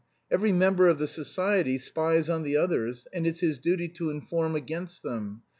Every member of the society spies on the others, and it's his duty to inform against them.